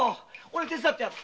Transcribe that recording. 手伝ってやる。